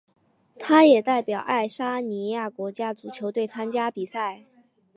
他也代表爱沙尼亚国家足球队参加比赛。